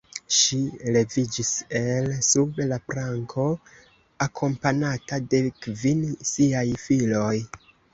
Ŝi leviĝis el sub la planko, akompanata de kvin siaj filoj.